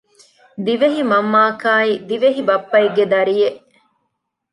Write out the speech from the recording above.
ދިވެހި މަންމައަކާއި ދިވެހި ބައްޕައެއްގެ ދަރިއެއް